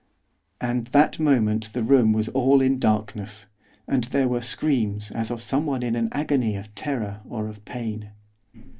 And that moment the room was all in darkness, and there were screams as of someone in an agony of terror or of pain.